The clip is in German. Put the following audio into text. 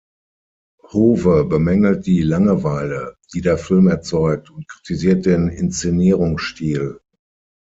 Howe bemängelt die Langeweile, die der Film erzeugt, und kritisiert den Inszenierungsstil.